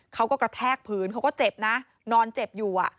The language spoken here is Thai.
กระแทกพื้นเขาก็เจ็บนะนอนเจ็บอยู่